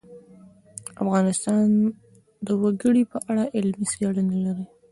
افغانستان د وګړي په اړه علمي څېړنې لري.